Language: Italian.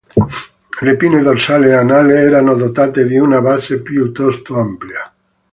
Le pinne dorsale e anale erano dotate di una base piuttosto ampia.